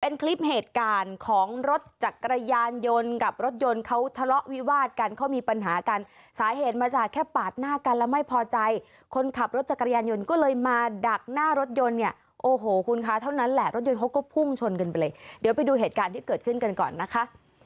เป็นคลิปเหตุการณ์ของรถจักรยานยนต์กับรถยนต์เขาทะเลาะวิวาดกันเขามีปัญหากันสาเหตุมาจากแค่ปาดหน้ากันแล้วไม่พอใจคนขับรถจักรยานยนต์ก็เลยมาดักหน้ารถยนต์เนี่ยโอ้โหคุณคะเท่านั้นแหละรถยนต์เขาก็พุ่งชนกันไปเลยเดี๋ยวไปดูเหตุการณ์ที่เกิดขึ้นกันก่อนนะคะ